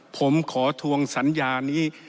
ผมขอทวงสัญญานี้